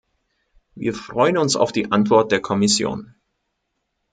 Wir freuen uns auf die Antwort der Kommission.